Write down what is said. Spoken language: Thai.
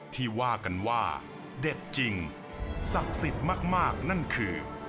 ที่ว่ากันว่าเด็ดจริงสักศิษย์มากนั่นคือ